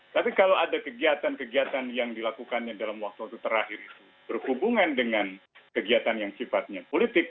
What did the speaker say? tapi kalau ada kegiatan kegiatan yang dilakukannya dalam waktu terakhir itu berhubungan dengan kegiatan yang sifatnya politik